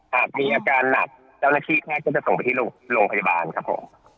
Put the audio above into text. หากมีอาการหนักเจ้าหน้าที่แพทย์ก็จะส่งไปที่โรงพยาบาลครับผม